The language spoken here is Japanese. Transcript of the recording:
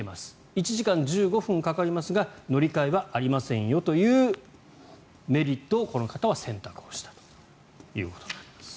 １時間１５分かかりますが乗り換えはありませんよというメリットをこの方は選択をしたということになります。